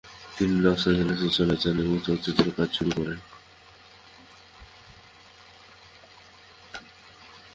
তিনি লস অ্যাঞ্জেলেসে চলে যান এবং চলচ্চিত্রে কাজ শুরু করেন।